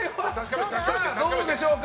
どうでしょうか。